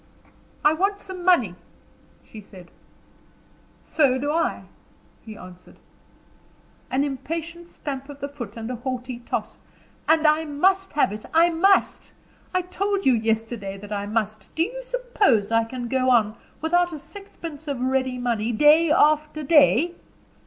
"I want some money," she said. "So do I," he answered. An impatient stamp of the foot and a haughty toss. "And I must have it. I must. I told you yesterday that I must. Do you suppose I can go on, without a sixpence of ready money day after day?"